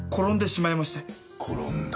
転んだ？